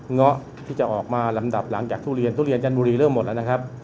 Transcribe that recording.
เงาะที่จะออกมาลำดับหลังจากทุเรียนทุเรียนจันทบุรีเริ่มหมดแล้วนะครับ